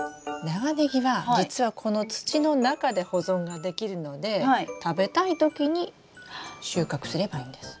長ネギは実はこの土の中で保存ができるので食べたい時に収穫すればいいんです。